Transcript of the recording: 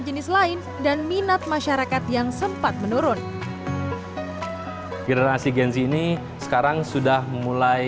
jenis lain dan minat masyarakat yang sempat menurun rasiat genzi ini sekarang sudah mulai